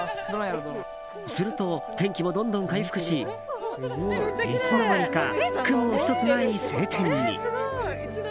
すると、天気もどんどん回復しいつの間にか雲１つない晴天に。